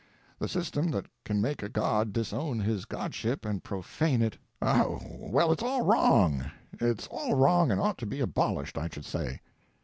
The system that can make a god disown his godship and profane it—oh, well, it's all wrong, it's all wrong and ought to be abolished, I should say."